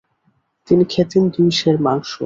তিনি খেতেন দুই সের মাংস।